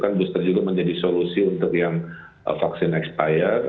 dan booster juga menjadi solusi untuk yang vaksin expire